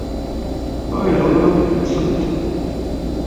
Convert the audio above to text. Ayɣer ur la iyi-tselleḍ?